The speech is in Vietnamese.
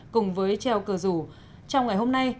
cùng với treo cờ rủ trong ngày hôm nay